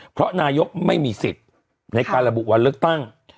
เพราะนายกไม่มีสิทธิ์ในการระบุวันเลือกตั้ง